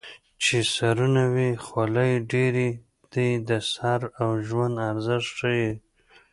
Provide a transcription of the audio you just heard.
چې سرونه وي خولۍ ډېرې دي د سر او ژوند ارزښت ښيي